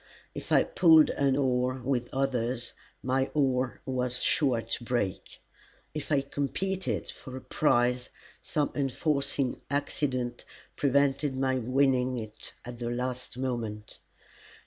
If I pulled an oar with others, my oar was sure to break. If I competed for a prize, some unforeseen accident prevented my winning it at the last moment.